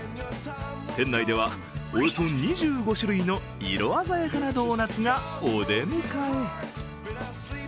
店内では、およそ２５種類の色鮮やかなドーナツがお出迎え。